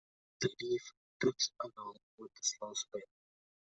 The leaf drifts along with a slow spin.